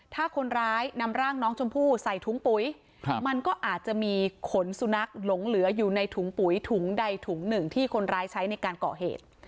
ถ้าคนร้ายนำร่างน้องชมพู่ใส่ถุงปุ๋ยมันก็อาจจะมีขนสุนัขหลงเหลืออยู่ในถุงปุ๋ยถุงใดถุงหนึ่งที่คนร้ายใช้ในการก่อเหตุ